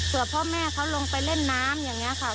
พ่อแม่เขาลงไปเล่นน้ำอย่างนี้ค่ะ